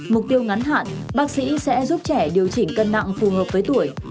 mục tiêu ngắn hạn bác sĩ sẽ giúp trẻ điều chỉnh cân nặng phù hợp với tuổi